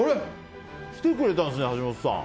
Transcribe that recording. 来てくれたんですね、橋本さん。